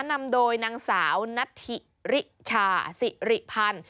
นำโดยนางสาวนัทธิริชาสิริพันธ์